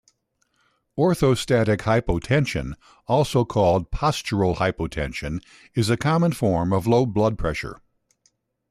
Orthostatic hypotension, also called "postural hypotension", is a common form of low blood pressure.